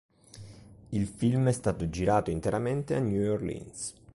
Il film è stato girato interamente a New Orleans.